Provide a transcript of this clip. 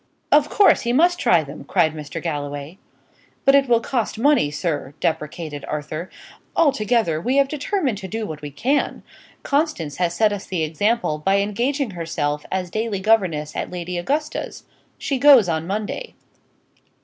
"Of course, he must try them," cried Mr. Galloway. "But it will cost money, sir," deprecated Arthur. "Altogether, we have determined to do what we can. Constance has set us the example, by engaging herself as daily governess at Lady Augusta's. She goes on Monday."